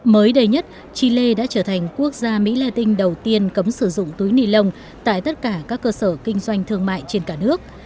mới đây nhất chile đã trở thành quốc gia mỹ la tinh đầu tiên cấm sử dụng túi ni lông tại tất cả các cơ sở kinh doanh thương mại trên cả nước